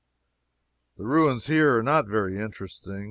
The ruins here are not very interesting.